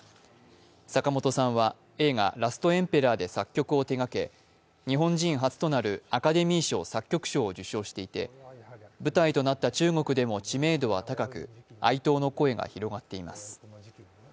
坂本さんは、映画「ラストエンペラー」で作曲を手がけ日本人初となるアカデミー賞作曲賞を受賞していて舞台となった中国でも知名度は高く、哀悼の声が広がっています。